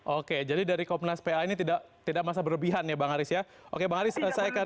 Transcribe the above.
oke jadi dari komnas pa ini tidak masa berlebihan ya bang haris ya oke bang aris selesaikan